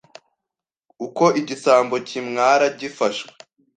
Uko igisambo kimwara gifashwe,